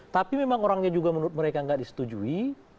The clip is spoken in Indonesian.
tapi memang orangnya juga menurut mereka nggak disetujui